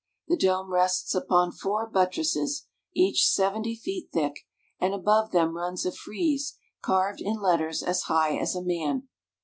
The dome rests upon four buttresses, each seventy feet thick, and above them runs a frieze carved in letters as high as a man.